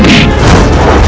aku akan menang